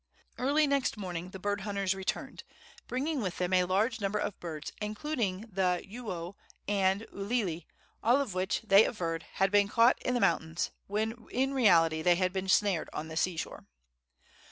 Early next morning the bird hunters returned, bringing with them a large number of birds, including the uau and ulili, all of which, they averred, had been caught in the mountains, when in reality they had been snared on the sea shore.